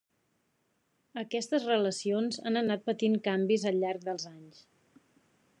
Aquestes relacions han anat patint canvis al llarg dels anys.